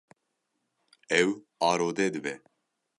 Ew arode dibe.